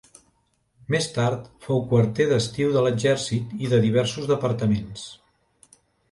Més tard fou quarter d'estiu de l'exèrcit i de diversos departaments.